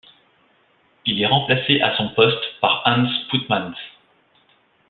Il est remplacé à son poste par Hans Putmans.